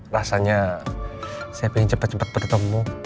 rasanya saya ingin cepat cepat bertemu